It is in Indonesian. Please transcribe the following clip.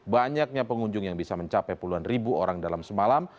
banyaknya pengunjung yang bisa mencapai puluhan ribu orang dalam semalam